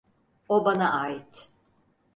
O bana ait!